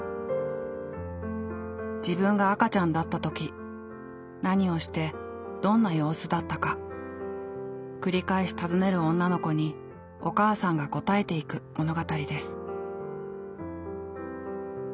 自分が赤ちゃんだった時何をしてどんな様子だったか繰り返し尋ねる女の子にお母さんが答えていく物語です。